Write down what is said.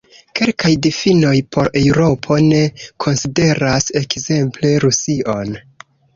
Kelkaj difinoj por Eŭropo ne konsideras ekzemple Rusion.